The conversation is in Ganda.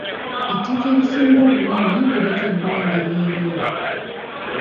Ettaka erisinga obunene lirekeddwa nga lyereere.